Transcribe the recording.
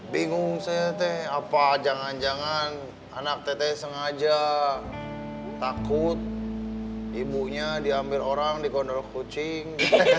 bingung saya teh apa jangan jangan anak tete sengaja takut ibunya diambil orang di kondor kucing